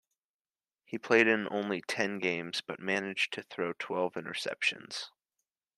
He played in only ten games but managed to throw twelve interceptions.